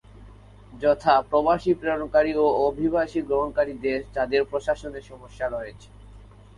যথা, প্রবাসী-প্রেরণকারী ও অভিবাসী-গ্রহণকারী দেশ যাদের প্রশাসনের সমস্যা রয়েছে।